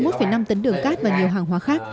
hai mươi một năm tấn đường cát và nhiều hàng hóa khác